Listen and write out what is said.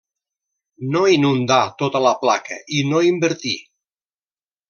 No inundar tota la placa i no invertir.